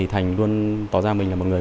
thành luôn tỏ ra mình là một người